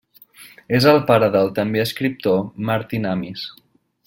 És el pare del també escriptor Martin Amis.